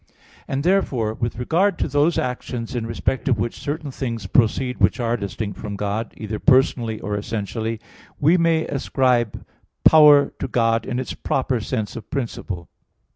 And therefore with regard to those actions in respect of which certain things proceed which are distinct from God, either personally or essentially, we may ascribe power to God in its proper sense of principle.